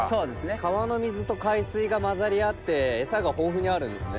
川の水と海水が混ざり合ってエサが豊富にあるんですね。